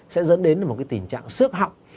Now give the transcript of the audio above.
sẽ dẫn đến một cái tình trạng sước họng